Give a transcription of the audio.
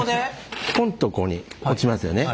ポンッとここに落ちますよね。